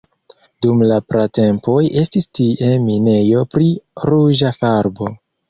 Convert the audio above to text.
Dum la pratempoj estis tie minejo pri ruĝa farbo.